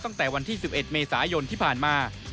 ตั้งแต่วันที่๑๑เมษายนที่ผ่านมา